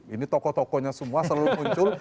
ini tokoh tokohnya semua selalu muncul